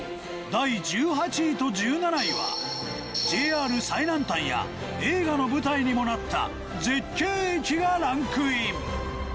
第１８位と１７位はＪＲ最南端や映画の舞台にもなった絶景駅がランクイン！